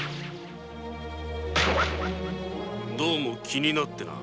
どうも気になってな。